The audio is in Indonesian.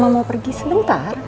mama mau pergi sebentar